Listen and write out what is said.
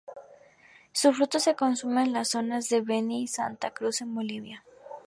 Su fruto se consume en las zonas de Beni y Santa Cruz en Bolivia.